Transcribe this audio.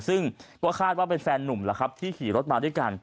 ซึ่งก็คาดว่าเป็นแฟนนุ่มแล้วครับที่ขี่รถมาด้วยกัน